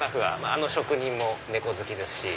あの職人も猫好きですし。